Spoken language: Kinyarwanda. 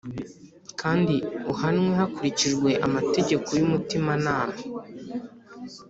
kandi uhanwe hakurikijwe amategeko y’umutimanama.